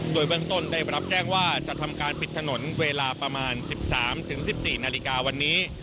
โดยเบื้องต้นได้รับแจ้งว่าจะทำการปิดถนนเวลาประมาณ๑๓๑๔นาฬิกาวันนี้